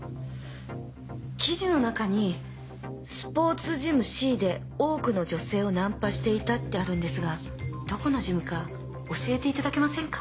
記事の中にスポーツジムＣで多くの女性をナンパしていたってあるんですがどこのジムか教えていただけませんか？